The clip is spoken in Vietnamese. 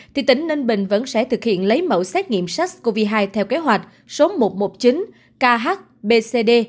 thì tỉnh ninh bình vẫn sẽ thực hiện lấy mẫu xét nghiệm sars cov hai theo kế hoạch số một trăm một mươi chín khbcd